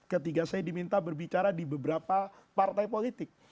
ketika saya diminta berbicara di beberapa partai politik